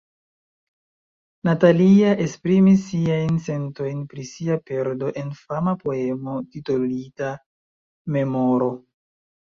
Natalia esprimis siajn sentojn pri sia perdo en fama poemo titolita "Memoro".